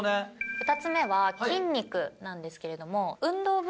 「２つ目は筋肉なんですけれども」